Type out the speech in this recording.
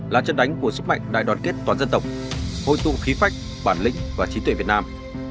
là trận đánh của sức mạnh đại đoàn kết toàn dân tộc hội tụ khí phách bản lĩnh và trí tuệ việt nam